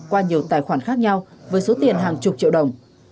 qua nhiều tài khoản khác nhau với số tiền hàng chục triệu đồng